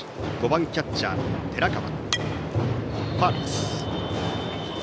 ５番キャッチャー、寺川。